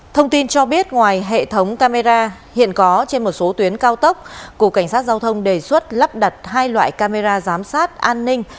thông tin cho biết ngoài hệ thống camera hiện có trên một số tuyến cao tốc cục cảnh sát giao thông đề xuất lắp đặt hai loại camera giám sát an ninh